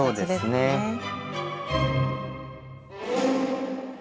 そうですね。